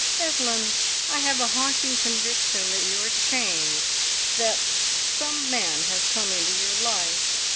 "Evelyn, I have a haunting conviction that you are changed; that some man has come into your life.